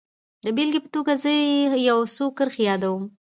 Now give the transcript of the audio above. د بېلګې په توګه زه يې يو څو کرښې يادوم.